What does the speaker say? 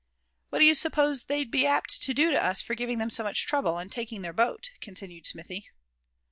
"What do you suppose they'd be apt to do to us for giving them so much trouble, and taking their boat?" continued Smithy.